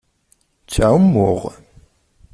Ttɛummuɣ.